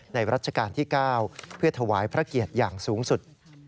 รัชกาลที่๙เพื่อถวายพระเกียรติอย่างสูงสุด